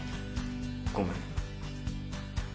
ごめん。